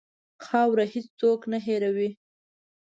خاوره هېڅ څوک نه هېروي.